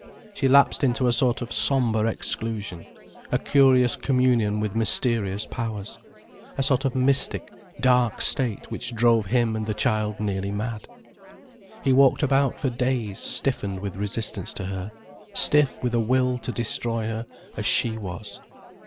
She lapsed into a sort of sombre exclusion, a curious communion with mysterious powers, a sort of mystic, dark state which drove him and the child nearly mad. He walked about for days stiffened with resistance to her, stiff with a will to destroy her as she was.